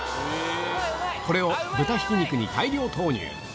これを豚ひき肉に大量投入。